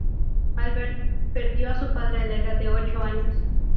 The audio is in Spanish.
Albert perdió a su padre a la edad de ocho años.